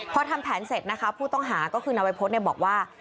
พอทำแผนเสร็จนะคะผู้ต้องหาก็คือนายวัยพฤษบอกว่า